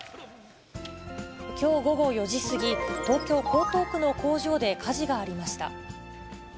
きょう午後４時過ぎ、東京・江東区の工場で火事がありました。